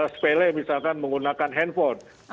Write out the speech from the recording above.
spele misalkan menggunakan handphone